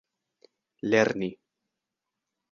lerni